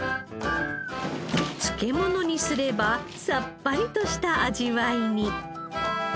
漬け物にすればさっぱりとした味わいに。